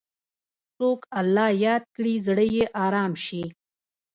څوک الله یاد کړي، زړه یې ارام شي.